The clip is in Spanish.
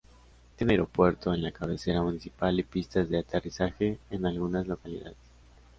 Tiene aeropuerto en la cabecera municipal y pistas de aterrizaje en algunas localidades.